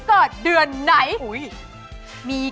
คุณสวัสดี